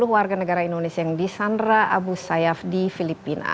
sepuluh warga negara indonesia yang disandra abu sayyaf di filipina